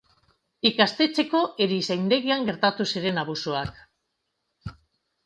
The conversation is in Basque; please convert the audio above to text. Ikastetxeko erizaindegian gertatu ziren abusuak.